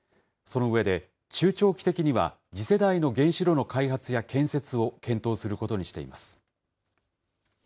その上で、中長期的には、次世代の原子炉の開発や建設を検討することにしています。